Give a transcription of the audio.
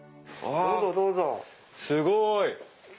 あすごい。